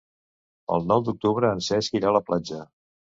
El nou d'octubre en Cesc irà a la platja.